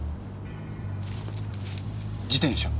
自転車。